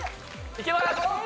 いけます！